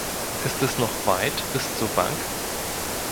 Ist es noch weit bis zur Bank?